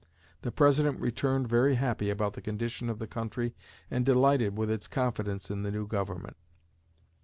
The President returned very happy about the condition of the country and delighted with its confidence in the new government.